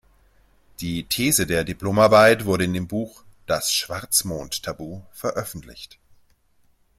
Die These der Diplomarbeit wurde in dem Buch "Das Schwarzmond-Tabu" veröffentlicht.